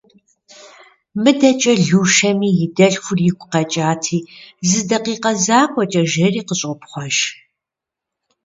Мыдэкӏэ Лушэми и дэлъхур игу къэкӏати, зы дакъикъэ закъуэкӏэ жери, къыщӏопхъуэж.